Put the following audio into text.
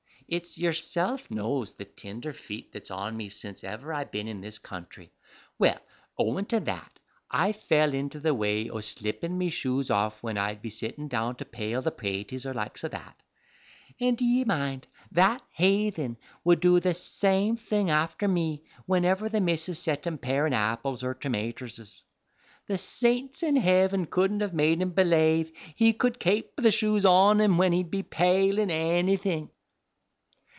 It's yerself knows the tinder feet that's on me since ever I've bin in this country. Well, owin' to that, I fell into the way o' slippin' me shoes off when I'd be settin' down to pale the praties or the likes o' that, and, do ye mind, that haythin would do the same thing after me whiniver the missus set him parin' apples or tomaterses. The saints in heaven couldn't have made him belave he cud kape the shoes on him when he'd be payling anything.